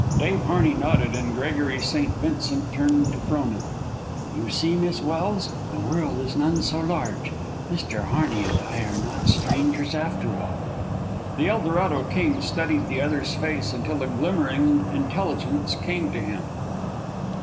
Dave Harney nodded, and Gregory St. Vincent turned to Frona. "You see, Miss Welse, the world is none so large. Mr. Harney and I are not strangers after all." The Eldorado king studied the other's face until a glimmering intelligence came to him.